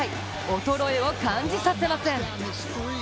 衰えを感じさせません。